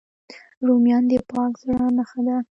رومیان د پاک زړه نښه ده